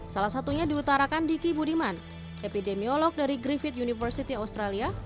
salah satunya diutarakan diki budiman epidemiolog dari griffith university australia